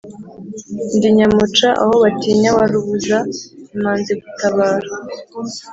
ndi nyamuca aho batinya wa rubuza imanzi gutabara,